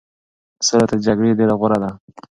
سوله تر جګړې ډېره غوره ده.